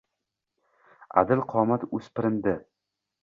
Аdil qomat oʼspirindi